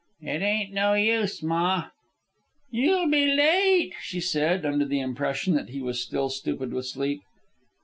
"It ain't no use, ma." "You'll be late," she said, under the impression that he was still stupid with sleep.